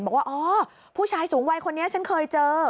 บอกว่าอ๋อผู้ชายสูงวัยคนนี้ฉันเคยเจอ